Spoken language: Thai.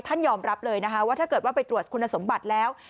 ยอมรับเลยนะคะว่าถ้าเกิดว่าไปตรวจคุณสมบัติแล้ว